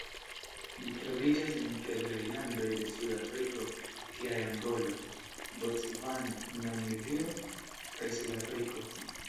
Ĝi troviĝas en kelkaj landoj de Suda Afriko kiaj Angolo, Bocvano, Namibio kaj Sudafriko.